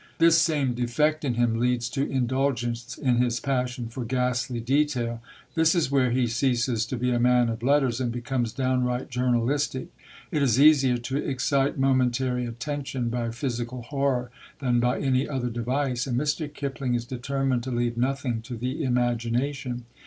This same defect in him leads to indulgence in his passion for ghastly detail. This is where he ceases to be a man of letters, and becomes downright journalistic. It is easier to excite momentary attention by physical horror than by any other device; and Mr. Kipling is determined to leave nothing to the imagination.